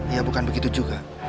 ya bukan begitu juga